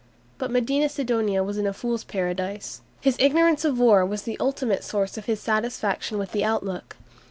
But Medina Sidonia was in a fool's paradise. His ignorance of war was the ultimate source of his satisfaction with the outlook.